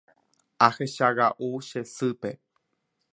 Ahechaga'u che sýpe.